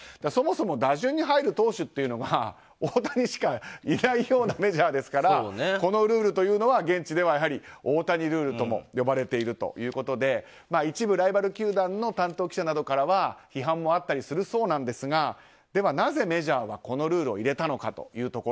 そもそも打順に入る投手が大谷しかいないようなメジャーですからこのルールというのは現地では大谷ルールとも呼ばれているということで一部ライバル球団の担当記者などからは批判もあったりするそうなんですがではなぜメジャーはこのルールを入れたのか。